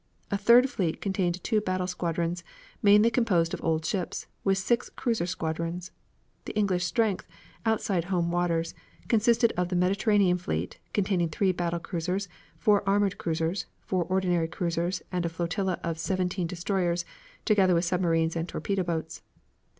A third fleet contained two battle squadrons, mainly composed of old ships, with six cruiser squadrons. The English strength, outside home waters, consisted of the Mediterranean fleet, containing three battle cruisers, four armored cruisers, four ordinary cruisers and a flotilla of seventeen destroyers, together with submarines and torpedo boats.